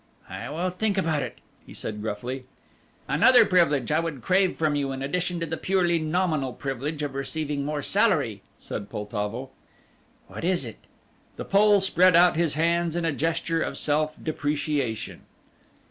"I will think about it," he said gruffly. "Another privilege I would crave from you in addition to the purely nominal privilege of receiving more salary," said Poltavo. "What is it?" The Pole spread out his hands in a gesture of self depreciation.